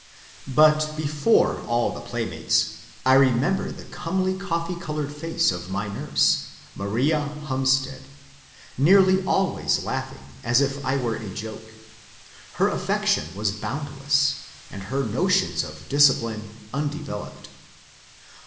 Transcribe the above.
But before all the playmates I remember the comely coffee coloured face of my nurse, Maria Humstead, nearly always laughing, as if I were a joke. Her affection was boundless, and her notions of discipline undeveloped.